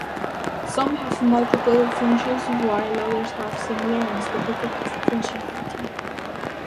Some have multiple functions while others have singular and specific functionality.